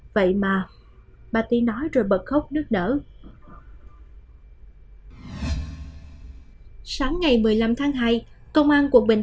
vậy mà bà tý nói rồi bật khóc nước nở